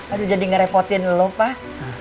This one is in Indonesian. aduh jadi ngerepotin lu lho pak